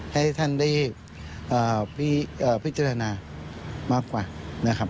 ให้ท่านได้พิจารณามากกว่านะครับ